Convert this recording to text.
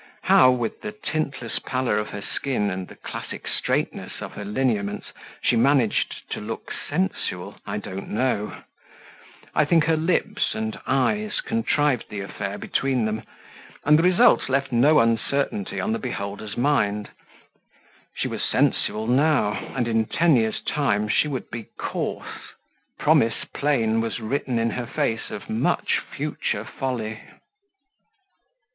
How, with the tintless pallor of her skin and the classic straightness of her lineaments, she managed to look sensual, I don't know. I think her lips and eyes contrived the affair between them, and the result left no uncertainty on the beholder's mind. She was sensual now, and in ten years' time she would be coarse promise plain was written in her face of much future folly.